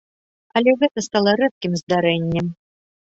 Але гэта стала рэдкім здарэннем.